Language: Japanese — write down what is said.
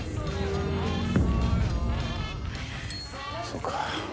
そうか。